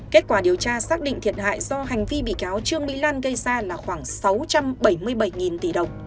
kết quả điều tra xác định thiệt hại do hành vi bị cáo trương mỹ lan gây ra là khoảng sáu trăm bảy mươi bảy tỷ đồng